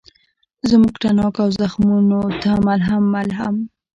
زموږ تڼاکو او زخمونوته ملهم، ملهم